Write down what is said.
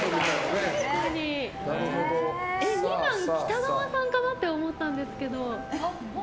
２番、喜多川さんかなとも思ったんですけど。